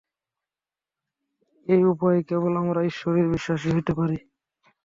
এই উপায়েই কেবল আমরা ঈশ্বরে বিশ্বাসী হইতে পারি।